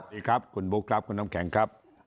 สวัสดีครับคุณบุ๊คครับคุณน้ำแข็งครับ